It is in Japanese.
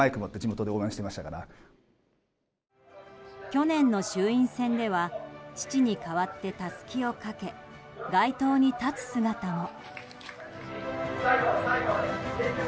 去年の衆院選では父に代わって、たすきをかけ街頭に立つ姿も。